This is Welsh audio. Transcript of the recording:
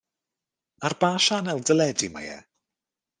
Ar ba sianel deledu mae e?